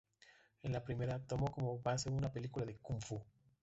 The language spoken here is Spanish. En la primera, tomó como base una película de kung-fu.